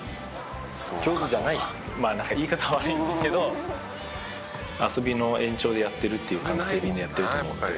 上手じゃないまあ言い方悪いんですけど遊びの延長でやってるっていう感覚でみんなやってると思うので。